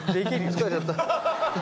疲れちゃった。